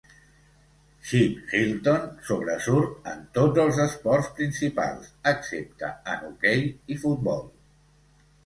Chip Hilton sobresurt en tots els esports principals, excepte en hoquei i futbol.